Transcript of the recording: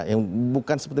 yang bukan seperti